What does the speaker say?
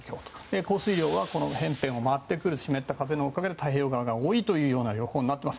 降水量は、この近くを回ってくる湿った空気のおかげで太平洋側が多いという予報になっています。